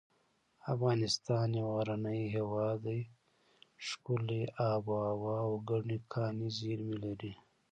افغانستان یو غرنی هیواد دی ښکلي اب هوا او ګڼې کاني زیر مې لري